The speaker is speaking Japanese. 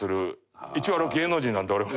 一応芸能人なんで俺も。